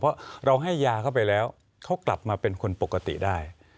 เพราะเราให้ยาเข้าไปแล้วเขากลับมาเป็นคนปกติได้